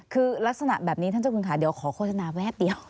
คือลักษณะแบบนี้ท่านเจ้าคุณค่ะเดี๋ยวขอโฆษณาแวบเดียว